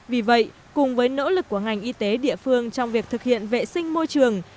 vì vậy cùng với nỗ lực của ngành y tế địa phương trong việc thực hiện vệ sinh môi trường